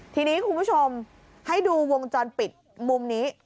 ทีนี้คุณผู้ชมให้ดูวงจรปิดมุมนี้